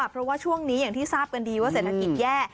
เพราะว่าช่วงนี้อย่างที่ทราบกันดีว่าเศรษฐกิจแย่